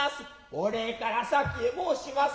お礼から先へ申します。